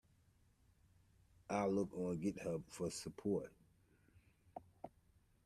I'll look on Github for support.